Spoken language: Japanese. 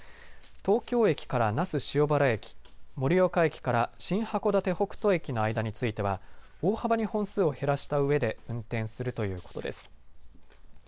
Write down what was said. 東京駅から那須塩原駅盛岡駅から新函館北斗駅の間については大幅に本数を減らしたうえで運転するということです。